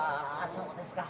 そうですか。